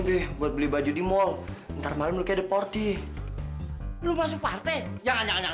deh buat beli baju di mall ntar malam ke deporti lu masuk partai jangan jangan jangan